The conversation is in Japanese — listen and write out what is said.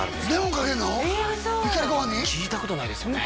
聞いたことないですよね？